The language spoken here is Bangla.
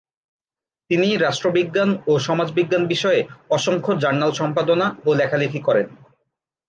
তিনি রাষ্ট্রবিজ্ঞান ও সমাজবিজ্ঞান বিষয়ে অসংখ্য জার্নাল সম্পাদনা ও লেখালেখি করেন।